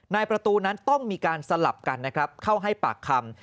นายประตูนั้นต้องมีการสลับกันเข้าให้ปากคำ